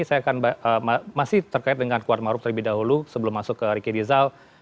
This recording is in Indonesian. saya akan masih terkait dengan kuat maruf terlebih dahulu sebelum masuk ke ricky rizal